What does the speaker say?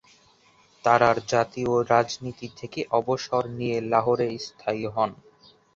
তারার জাতীয় রাজনীতি থেকে অবসর নিয়ে লাহোরে স্থায়ী হন।